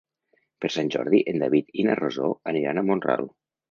Per Sant Jordi en David i na Rosó aniran a Mont-ral.